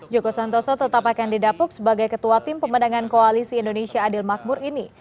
joko santoso tetap akan didapuk sebagai ketua tim pemenangan koalisi indonesia adil makmur ini